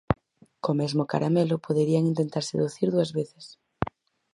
Co mesmo caramelo poderían intentar seducir dúas veces.